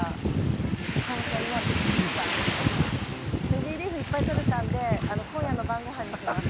ベビーリーフいっぱいとれたんで今夜の晩ごはんにします。